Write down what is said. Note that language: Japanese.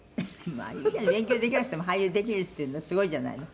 「まあいいじゃない」「勉強できなくても俳優できるっていうのすごいじゃないの」